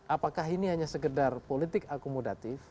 apakah ini hanya sekedar politik akomodatif